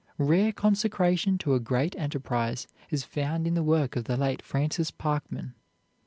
Rare consecration to a great enterprise is found in the work of the late Francis Parkman.